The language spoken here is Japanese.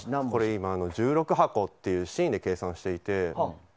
今、１６箱っていうシーンで計算していて。